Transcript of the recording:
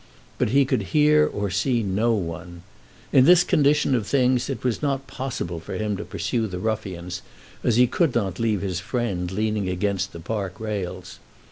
But he could hear or see no one, In this condition of things it was not possible for him to pursue the ruffians, as he could not leave his friend leaning against the park rails.